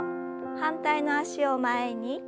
反対の脚を前に。